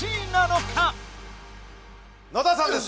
野田さんです！